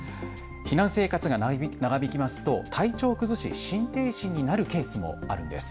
避難生活が長引きますと体調を崩し心停止になるケースもあるんです。